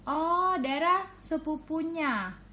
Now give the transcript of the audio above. oh dara sepupunya